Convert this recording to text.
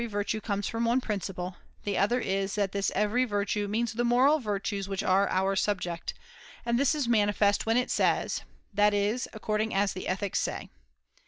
virtue comes from one principle ; the other is that this ' every virtue ' means the moral virtues which are our subject ; and this is manifest when it says : That is {according as the Ethics say).